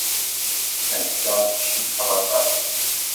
Ass-a, tcebḥed aṭas.